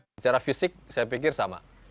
secara fisik saya pikir sama